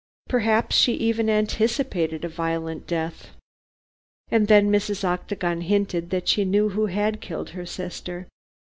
Perhaps she even anticipated a violent death. And then Mrs. Octagon hinted that she knew who had killed her sister.